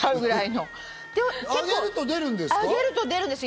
上げると出るんですか？